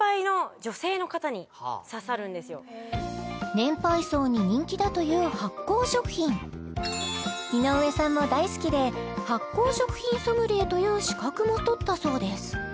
これは年配層に人気だという発酵食品井上さんも大好きで発酵食品ソムリエという資格も取ったそうです